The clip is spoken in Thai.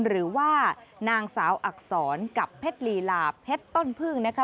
หรือว่านางสาวอักษรกับเพชรลีลาเพชรต้นพึ่งนะคะ